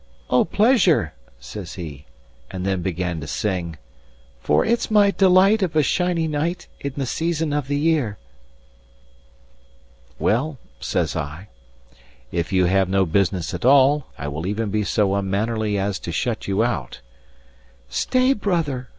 "O, pleasure!" says he; and then began to sing: "For it's my delight, of a shiny night, In the season of the year." "Well," said I, "if you have no business at all, I will even be so unmannerly as to shut you out." "Stay, brother!"